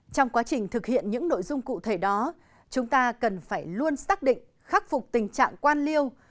trong quá trình thực hiện những nội dung cụ thể đó chúng ta cần phải luôn xác định khắc phục tình trạng quan liêu